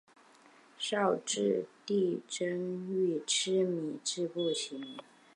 绍治帝曾御赐米字部起名。